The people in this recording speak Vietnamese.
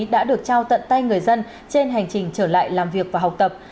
đã được trao tận tay người dân trên hành trình trở lại làm việc và học tập